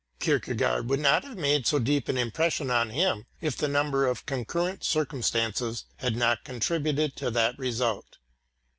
Kierkegaard would not have made so deep an impression on him, if a number of concurrent circumstances had not contributed to that result.